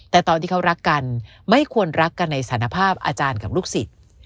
แต่ตอนที่เขารักกันไม่ควรรักกันในสารภาพอาจารย์กับลูกศิษย์